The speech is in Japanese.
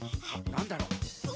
なんだろう？